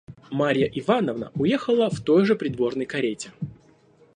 Марья Ивановна уехала в той же придворной карете.